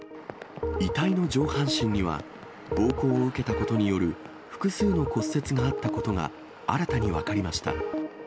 遺体の上半身には、暴行を受けたことによる複数の骨折があったことが、新たに分かりました。